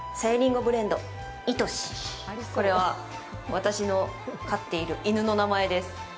これは、私の飼っている犬の名前です。